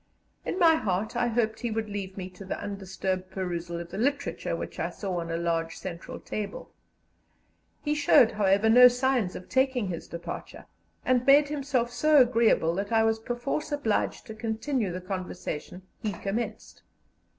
In my heart I hoped he would leave me to the undisturbed perusal of the literature which I saw on a large centre table. He showed, however, no signs of taking his departure, and made himself so agreeable that I was perforce obliged to continue the conversation he commenced.